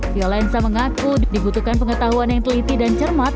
violensa mengaku dibutuhkan pengetahuan yang teliti dan cermat